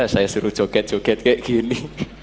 saya suruh joget joget kayak gini